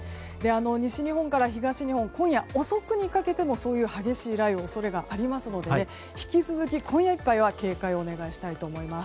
西日本から東日本今夜遅くにかけてもそういう激しい雷雨の恐れがありますので引き続き、今夜いっぱいは警戒をお願いしたいと思います。